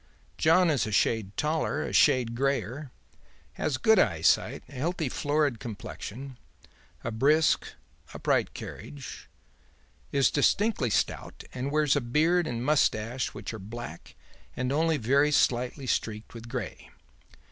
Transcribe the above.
John is a shade taller, a shade greyer, has good eyesight, a healthy, florid complexion, a brisk, upright carriage, is distinctly stout and wears a beard and moustache which are black and only very slightly streaked with grey.